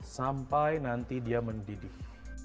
sampai nanti dia mendidih